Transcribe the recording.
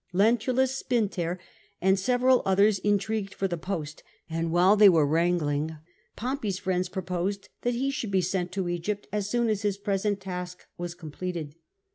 Lentulus Spinther and several others intrigued for the post, and while they were wrangling Pompey's friends proposed that he should be sent to Egypt as soon as his present task was com pleted.